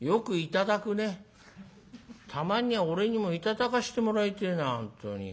たまには俺にも頂かしてもらいてえな本当に。